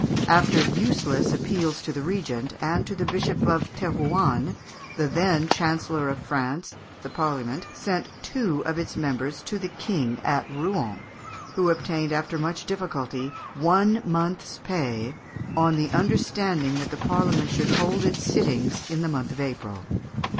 After useless appeals to the Regent, and to the Bishop of Thérouanne, the then Chancellor of France, the Parliament sent two of its members to the King at Rouen, who obtained, after much difficulty, "one month's pay, on the understanding that the Parliament should hold its sittings in the month of April."